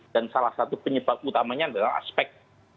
dan salah satu penyebab utamanya adalah aspek